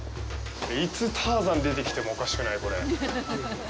いつターザン出てきてもおかしくない、これ。